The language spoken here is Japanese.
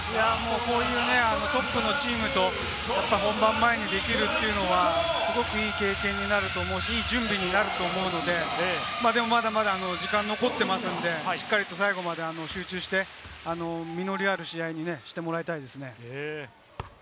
こういうトップのチームと本番前にできるというのは、すごくいい経験になると思うし、いい準備になると思うので、でもまだまだ時間残っていますので、しっかりと最後まで集中して、実りある試合にしてもらいたいですね。